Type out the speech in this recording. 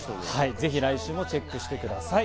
ぜひ来週もチェックしてください。